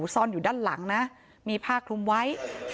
ซ่อนอยู่ด้านหลังนะมีผ้าคลุมไว้